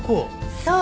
そう。